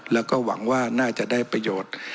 แล้วก็หวังว่าน่าจะได้ประโยชน์